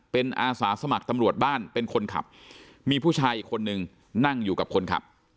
เป็นอาสาสมัครตำรวจบ้านเป็นคนขับมีผู้ชายอีกคนนึงนั่งอยู่กับคนขับ